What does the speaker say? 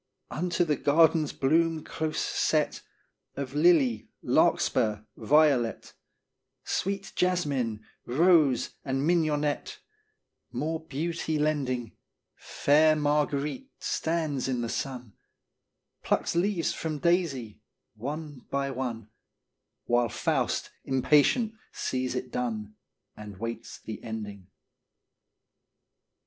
Unto the garden's bloom close set Of lily, larkspur, violet, Sweet jasmine, rose, and mignonette More beauty lending, Fair Marguerite stands in the sun, Plucks leaves from daisy, one by one, While Faust, impatient, sees it done And waits the ending.